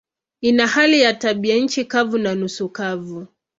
Ina hali ya tabianchi kavu na nusu kavu.